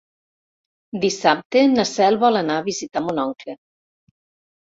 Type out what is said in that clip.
Dissabte na Cel vol anar a visitar mon oncle.